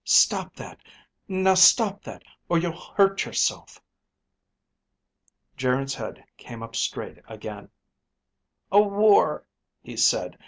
"Stop that. Now stop it, or you'll hurt yourself." Geryn's head came up straight again. "A war," he said.